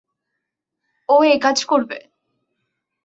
ও একাজ করবে।